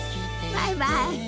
バイバイ。